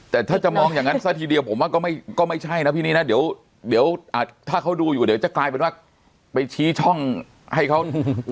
แต่ถ้าจะมองอย่างนั้นซะทีเดียวผมว่าก็ไม่ใช่นะพี่นี้นะเดี๋ยวถ้าเขาดูอยู่เดี๋ยวจะกลายเป็นว่าไปชี้ช่องให้เขา